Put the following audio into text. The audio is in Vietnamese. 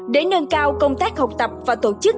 để nâng cao công tác học tập và tổ chức